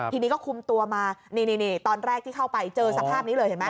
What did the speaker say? ทีนี้ก็คุมตัวมานี่ตอนแรกที่เข้าไปเจอสภาพนี้เลยเห็นไหม